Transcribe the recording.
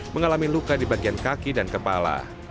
mengalami luka di bagian kaki dan kepala